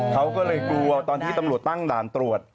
เขาก็เลยกลัวตอนที่ตำรวจตั้งด่านตรวจ